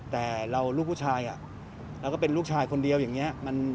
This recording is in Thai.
แต่ลูกผู้ชายแล้วก็เป็นคนเดียวอย่างนี้